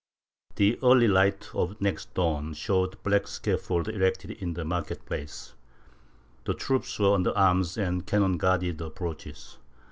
The early light of the next dawn showed a black scaffold erected in the market place; the troops were under arms and cannon guarded the approaches.